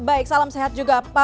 baik salam sehat juga